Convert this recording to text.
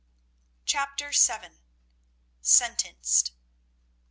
CHAPTER VII. SENTENCED.